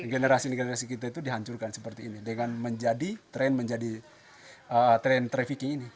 generasi generasi kita itu dihancurkan seperti ini dengan menjadi tren menjadi tren trafficking ini